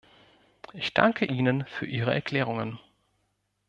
Ich danke Ihnen für Ihre Erklärungen.